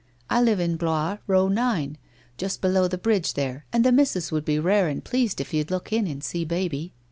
I live in Blois Row, No. 9 — just below the bridge there and the missus would be rare and pleased if you'd look in and see baby.